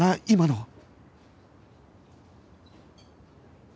今の